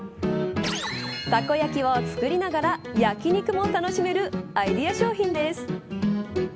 たこ焼きを作りながら焼き肉も楽しめるアイデア商品です。